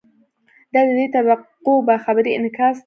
دا د دې طبقو باخبرۍ انعکاس دی.